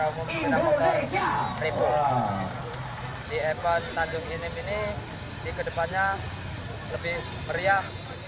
di e empat tanjung enim ini di kedepannya lebih meriah